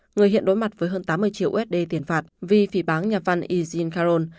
người hiện đối mặt với hơn tám mươi triệu usd tiền phạt vì phỉ bán nhà văn ezean caron